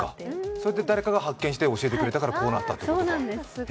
それで誰かが発見して教えてくれたからこうなった。